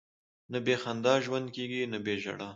نه بې خندا ژوند کېږي، نه بې ژړا.